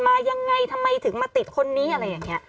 มายังไงทำไมถึงมาติดคนนี้อะไรอย่างนี้